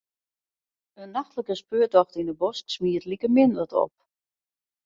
In nachtlike speurtocht yn 'e bosk smiet likemin wat op.